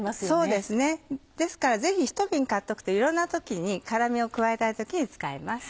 そうですねですからぜひ１瓶買っておくといろんな時に辛みを加えたい時に使えます。